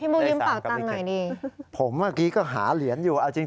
ให้มูลยืมเปล่าตัวหน่อยดิใส่สารกับมิเกษผมเมื่อกี้ก็หาเหรียญอยู่เอาจริง